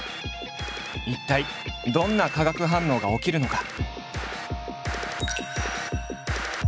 一体どんな化学反応が起きるのか？